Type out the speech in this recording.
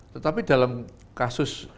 tetapi dalam kasus